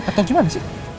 atau gimana sih